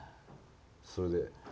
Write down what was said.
それで？